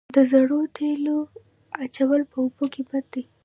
د زړو تیلو اچول په اوبو کې بد دي؟